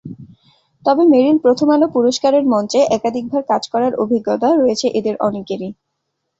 তবে মেরিল-প্রথম আলো পুরস্কারের মঞ্চে একাধিকবার কাজ করার অভিজ্ঞতা রয়েছে এঁদের অনেকেরই।